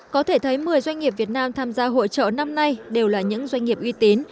có thể thấy một mươi doanh nghiệp việt nam tham gia hội trợ năm nay đều là những doanh nghiệp uy tín